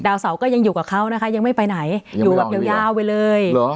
เสาร์ก็ยังอยู่กับเขานะคะยังไม่ไปไหนอยู่แบบยาวไปเลย